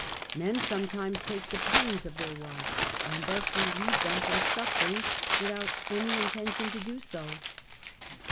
Men sometimes take the pains of their wives, and thus relieve them from suffering without any inten tion to do so.